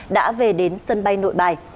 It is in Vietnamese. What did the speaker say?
đã về đến sân bay nội bài